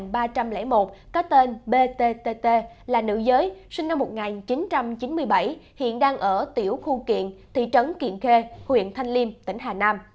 bệnh nhân bảy trăm một mươi chín ba trăm linh một có tên bttt là nữ giới sinh năm một nghìn chín trăm chín mươi bảy hiện đang ở tiểu khu kiện thị trấn kiện khê huyện thanh liêm tỉnh hà nam